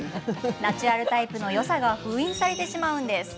ナチュラルタイプのよさが封印されてしまうんです。